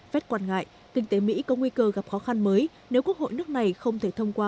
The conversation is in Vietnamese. phép quan ngại kinh tế mỹ có nguy cơ gặp khó khăn mới nếu quốc hội nước này không thể thông qua